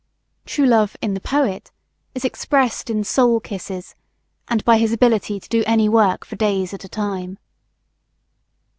True Love, in the poet, is expressed in soul kisses, and by his inability to do any work for days at a time.